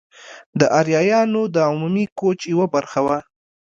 د آریایانو د عمومي کوچ یوه برخه وه.